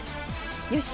よし！